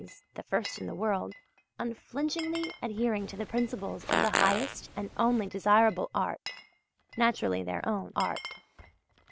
's (the first in the world) unflinchingly adhering to the principles of the highest and only desirable art (naturally their own art).